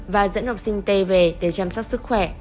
và dẫn học sinh t về để chăm sóc sức khỏe